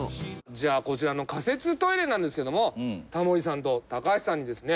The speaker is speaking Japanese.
じゃあこちらの仮設トイレなんですけどもタモリさんと高橋さんにですね